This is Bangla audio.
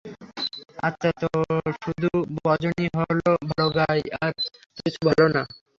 আচ্ছা, তো শুধু বজনই ভালো গায় আর তো কিছু ভালো না।